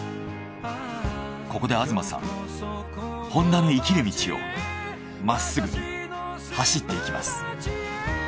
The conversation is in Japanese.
ここで東さんホンダの生きる道をまっすぐ走っていきます。